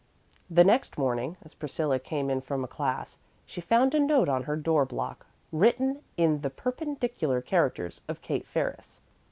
The next morning, as Priscilla came in from a class, she found a note on her door block, written in the perpendicular characters of Kate Ferris.